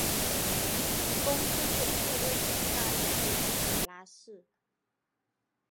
公司总部位于意大利佩斯卡拉市。